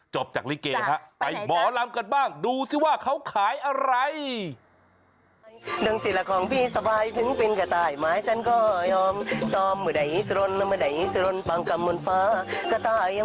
จบจบจากลิเกย์